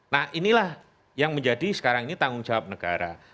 nah inilah yang menjadi sekarang ini tanggung jawab negara